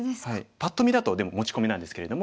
パッと見だとでも持ち込みなんですけれども。